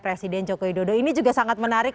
presiden joko widodo ini juga sangat menarik